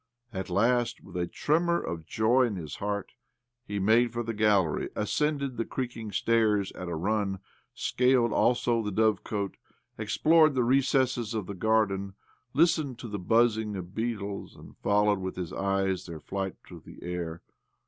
At last, with a, tremor of joy in his heart, he made for the gallery, ascended the creaking stairs at a run, scaled also the dovecote, ex plored the recesses of the garden, listened to the buzzing of beetles, and followed with his eyes their flight through the air.